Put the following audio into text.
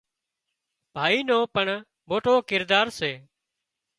ڀائي نو پڻ موٽو ڪردار سي